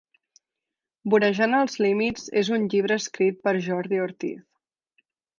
Vorejant els límits és un llibre escrit per Jordi Ortiz.